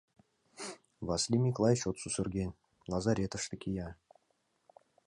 Васлий Миклай чот сусырген, лазаретыште кия.